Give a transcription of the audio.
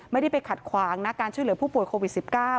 ไม่ได้ไปขัดขวางนะการช่วยเหลือผู้ป่วยโควิด๑๙